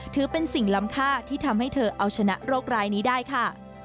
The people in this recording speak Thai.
ถือเป็นสิ่งล้ำค่าที่ทำให้เธอเอาชนะโรคร้ายนี้ได้ค่ะ